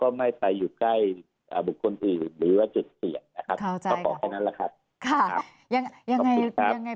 ก็ไม่ใส่อยู่ใกล้บุคคลอีกหรือว่าเจ็ดเสียค่ะยังไงยังไง